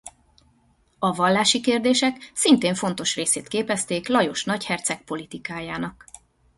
A vallási kérdések szintén fontos részét képezték Lajos nagyherceg politikájának.